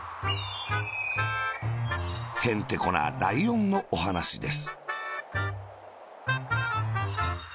へんてこなライオンのおはなしです。